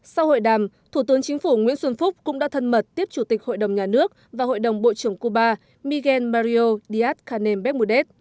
sau hội đàm thủ tướng chính phủ nguyễn xuân phúc cũng đã thân mật tiếp chủ tịch hội đồng nhà nước và hội đồng bộ trưởng cuba miguel mario díaz canem becmudet